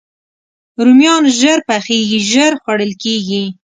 رومیان ژر پخېږي، ژر خوړل کېږي